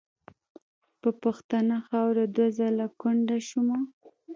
په پښتنه خاوره دوه ځله کونډه شومه .